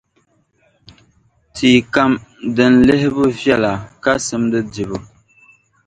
tia kam din lihibu viɛla ka simdi dibu.